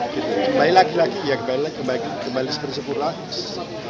kembali lagi lagi ya kembali seperti sepuluh kelompok empat sampai delapan